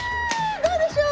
どうでしょう？